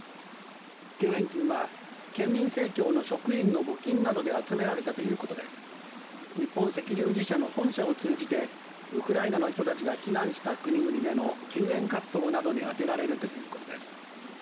救援金は県民生協の職員の募金などで集められたとということで日本赤十字社の本社を通じてウクライナの人たちが避難した国々での救援活動などに充てられるということです。